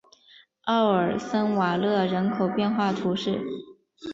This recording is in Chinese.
奥尔森瓦勒人口变化图示